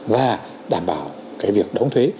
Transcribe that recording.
và đảm bảo cái việc đóng thuế